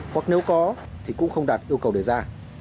hoặc nếu có thì cũng không đạt yêu cầu đề ra